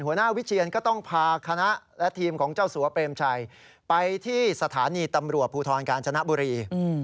หัวหน้าวิเชียนก็ต้องพาคณะและทีมของเจ้าสัวเปรมชัยไปที่สถานีตำรวจภูทรกาญจนบุรี